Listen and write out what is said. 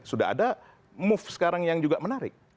sudah ada move sekarang yang juga menarik